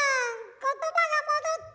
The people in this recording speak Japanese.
言葉が戻った！